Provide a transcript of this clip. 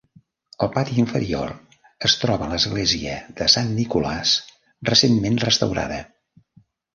Al pati inferior es troba l'església de Sant Nicolás, recentment restaurada.